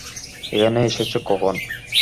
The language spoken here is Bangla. এখানে এসেছ কখন?